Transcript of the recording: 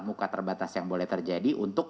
muka terbatas yang boleh terjadi untuk